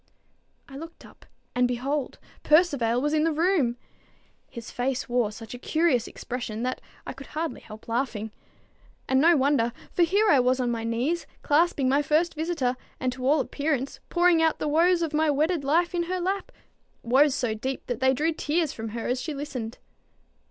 I looked up, and, behold, Percivale was in the room! His face wore such a curious expression that I could hardly help laughing. And no wonder: for here was I on my knees, clasping my first visitor, and to all appearance pouring out the woes of my wedded life in her lap, woes so deep that they drew tears from her as she listened.